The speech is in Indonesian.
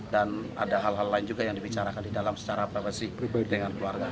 dan ada hal hal lain juga yang dibicarakan di dalam secara privasi dengan keluarga